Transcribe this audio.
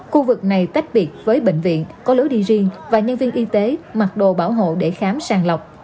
khu vực này tách biệt với bệnh viện có lối đi riêng và nhân viên y tế mặc đồ bảo hộ để khám sàng lọc